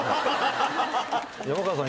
山川さん